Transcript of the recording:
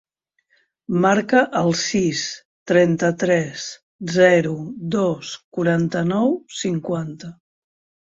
Marca el sis, trenta-tres, zero, dos, quaranta-nou, cinquanta.